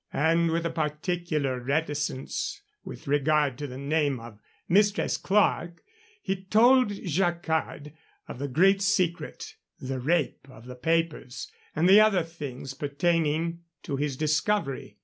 And, with a particular reticence with regard to the name of Mistress Clerke, he told Jacquard of the great secret, the rape of the papers, and the other things pertaining to his discovery.